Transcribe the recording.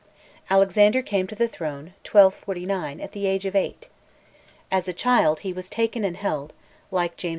Alexander came to the throne (1249) at the age of eight. As a child he was taken and held (like James II.